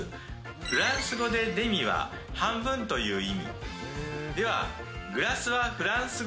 フランス語でデミは半分という意